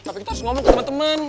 tapi kita harus ngomong ke temen temen